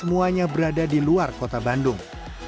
semuanya berada di luar kota bandung